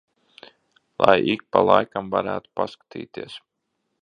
Lai ik pa laikam varētu paskatīties.